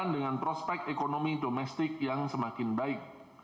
dengan prospek ekonomi domestik yang semakin baik